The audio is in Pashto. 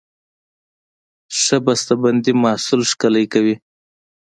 ښه بسته بندي محصول ښکلی کوي.